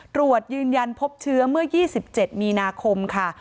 ตรวจยืนยันพบเชื้อเมื่อยี่สิบเจ็ดมีนาคมค่ะ